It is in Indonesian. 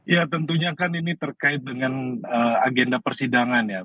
ya tentunya kan ini terkait dengan agenda persidangan ya